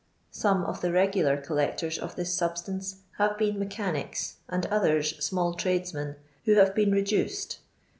Some of the regular col lectors of this substance have been mechanics, and others small tradesmen, who have been reduced.